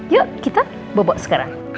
yuk kita bobo sekarang